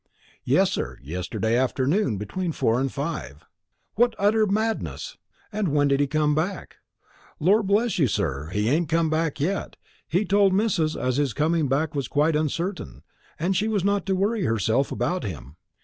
"Yes, sir; yesterday afternoon between four and five." "What utter madness! And when did he come back?" "Lor' bless you, sir, he ain't come back yet. He told missus as his coming back was quite uncertain, and she was not to worry herself about him.